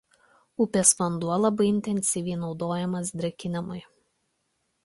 Upės vanduo labai intensyviai naudojamas drėkinimui.